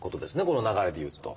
この流れでいうと。